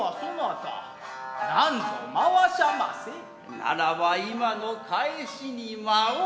ならば今の返しに舞おう。